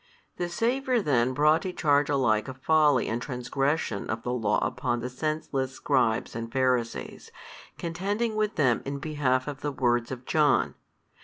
The Saviour then brought a charge alike of folly and transgression of the Law upon the senseless Scribes and Pharisees, contending with them in behalf of the words of John.